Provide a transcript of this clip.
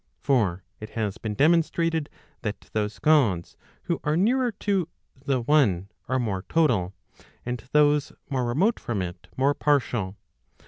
For it has been demonstrated that those Gods who are nearer to the one are more total; and those more remote from it more partial.